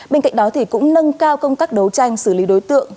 bên cạnh đó cũng nâng cao công tác đấu tranh xử lý đối tượng